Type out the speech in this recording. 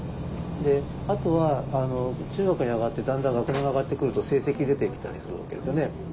あとは中学に上がってだんだん学年が上がってくると成績出てきたりするわけですよね。